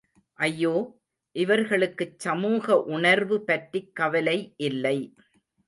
ஐயோ, இவர்களுக்குச் சமூக உணர்வு பற்றிக் கவலை இல்லை.